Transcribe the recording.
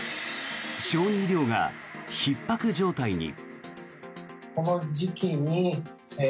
小児医療がひっ迫状態に。